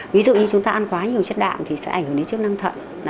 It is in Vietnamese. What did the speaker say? ví dụ như chúng ta ăn quá nhiều chất đạm thì sẽ ảnh hưởng đến chức năng thận